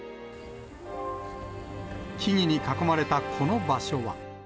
木々に囲まれたこの場所は。